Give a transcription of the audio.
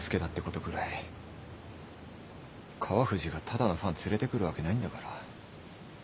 川藤がただのファン連れてくるわけないんだから。